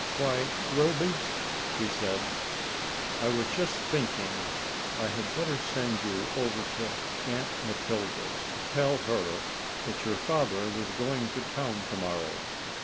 "Why, Wilby," said she, "I was just thinking I had better send you over to Aunt Matilda's to tell her that your father was going to town to morrow.